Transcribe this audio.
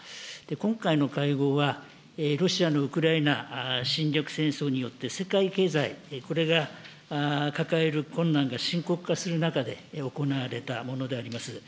今回の会合は、ロシアのウクライナ侵略戦争によって世界経済、これが抱える困難が深刻化する中で行われたものであります。